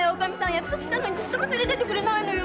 約束したのに連れてってくれないのよ。